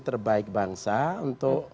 terbaik bangsa untuk